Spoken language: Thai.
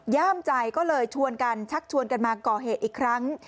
ย่ามใจก็เลยชวนกันชักชวนกันมาก่อเหตุอีกครั้ง